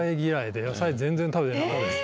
野菜全然食べてなかったです。